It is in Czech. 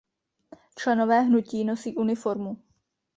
Členové hnutí nosí uniformu.